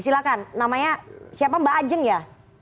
silahkan namanya siapa mbak ajeng ya